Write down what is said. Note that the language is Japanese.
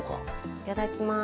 いただきます。